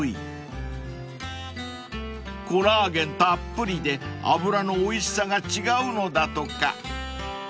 ［コラーゲンたっぷりで脂のおいしさが違うのだとか］